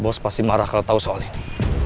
bos pasti marah kalau tahu soal ini